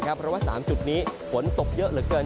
เพราะว่า๓จุดนี้ฝนตกเยอะเหลือเกิน